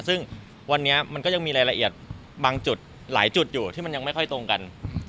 ซึ่งวันนี้มันก็ยังมีรายละเอียดบางจุดหลายจุดอยู่ที่มันยังไม่ค่อยตรงกัน